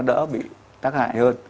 nó đỡ bị tác hại hơn